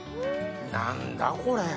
何だこれ。